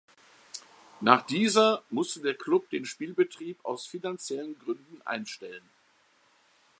Nach dieser musste der Club den Spielbetrieb aus finanziellen Gründen einstellen.